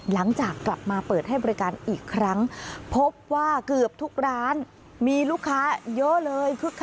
หลังจากกลับมาเปิดให้บริการอีกครั้งพบว่าเกือบทุกร้านมีลูกค้าเยอะเลยคึกคัก